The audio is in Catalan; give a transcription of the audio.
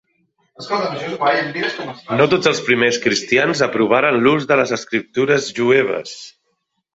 No tots els primers cristians aprovaren l'ús de les escriptures jueves.